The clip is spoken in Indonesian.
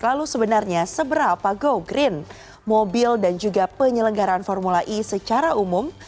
lalu sebenarnya seberapa go green mobil dan juga penyelenggaran formula e secara umum